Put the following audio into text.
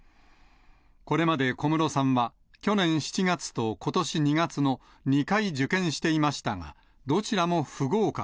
これまで小室さんは、去年７月と今年２月の２回受験していましたが、どちらも不合格。